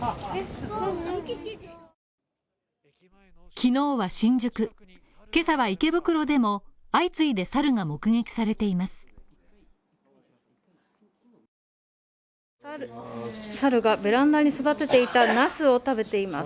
昨日は新宿、今朝は池袋でも相次いでサルが目撃されています。